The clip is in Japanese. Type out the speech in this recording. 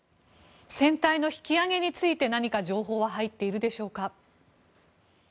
船体の引き揚げについて何か情報は入っているでしょうか。